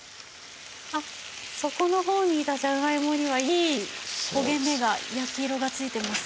あっ底の方にいたじゃがいもにはいい焦げ目が焼き色がついてます。